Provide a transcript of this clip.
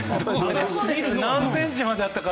何センチまでだったか